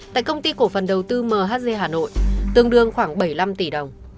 tại công ty cổ phần đầu tư mhz hà nội tương đương khoảng bảy mươi năm tỷ đồng